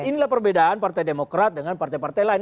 inilah perbedaan partai demokrat dengan partai partai lain